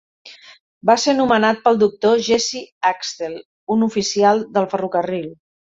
Va ser nomenat pel Doctor Jesse Axtell, un oficial del ferrocarril.